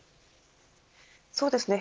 そうですね。